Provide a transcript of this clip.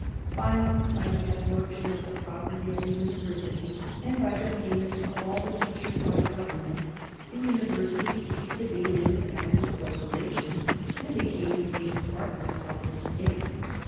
Finally, by the absorption of the property of the University, and by the payment of all the teachers by Government, the University ceased to be an independent corporation, and became a department of the State.